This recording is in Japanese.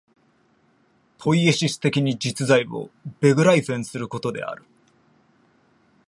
ポイエシス的に実在をベグライフェンすることである。